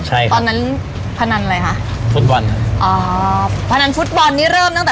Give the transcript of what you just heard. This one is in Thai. ใช่ครับ